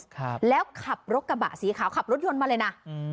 ครับแล้วขับรถกระบะสีขาวขับรถยนต์มาเลยน่ะอืม